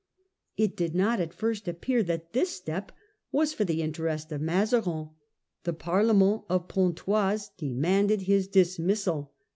It did not at first appear that this step was for the interest of Mazarin. The Parlement of Pontoise de manded his dismissal.